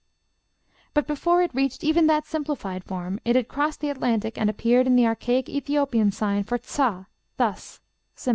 But before it reached even that simplified form it had crossed the Atlantic, and appeared in the archaic Ethiopian sign for tsa, thus, ###